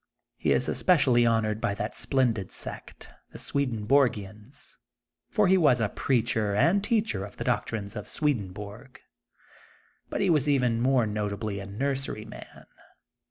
He is especially honored by that splendid sect, the Sweden borgiansy for he was a preacher and teacher of the doctrines of ^wedenborg. Bnt he was even more notably a nnrseryman.